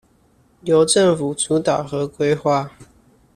由政府主導和規劃